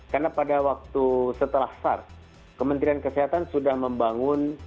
karena pada waktu setelah sars kementerian kesehatan sudah membangun